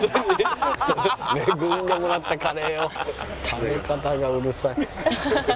食べ方がうるさい。